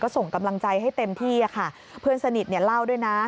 ก็ส่งกำลังใจให้เต็มที่ค่ะเพื่อนสนิทราวด้วยนะ